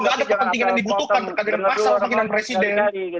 kalau tidak ada kepentingan yang dibutuhkan terkait dengan asal pengindahan presiden